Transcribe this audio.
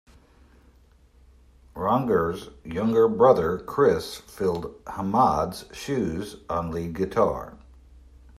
Rogner's younger brother Chris filled Hamada's shoes on lead guitar.